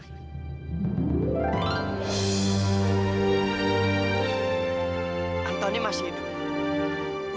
selamat ulang tahun